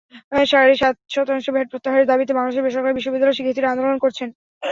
সাড়ে সাত শতাংশ ভ্যাট প্রত্যাহারের দাবিতে বাংলাদেশের বেসরকারি বিশ্ববিদ্যালয়ের শিক্ষার্থীরা আন্দোলন করছেন।